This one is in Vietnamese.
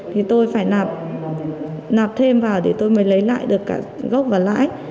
thì tôi phải nạp nạp thêm vào để tôi mới lấy lại được cả gốc và lãi